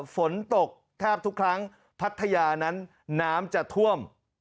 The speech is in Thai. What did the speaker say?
ฝนตกแทบทุกครั้งพัทยานั้นน้ำจะท่วม